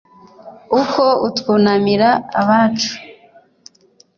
uko twunamira abacu